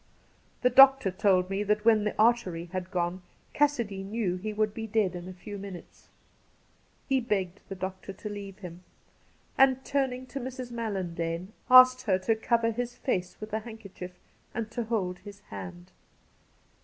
The doctor told me that when the artery had gone Cassidy knew he would be dead in a few minutes. He begged the doctor to leave him, and turning to Mrs. MaUandane, asked her to cover his face with a handkerchief, and to hold his hand.